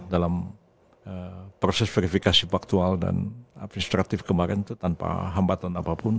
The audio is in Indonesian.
dalam proses verifikasi faktual dan administratif kemarin itu tanpa hambatan apapun